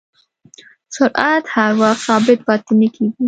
سرعت هر وخت ثابت پاتې نه کېږي.